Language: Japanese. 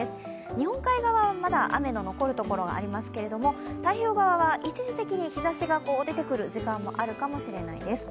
日本海側は、まだ雨の残るところがありますけれども、太平洋側は一時的に日ざしが出てくる時間もあるかもしれないです。